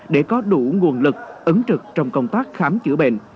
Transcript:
để có đủ nguồn lực ứng trực trong công tác khám chữa bệnh